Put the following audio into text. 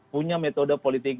punya metode politik